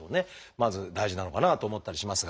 まず大事なのかなと思ったりしますが。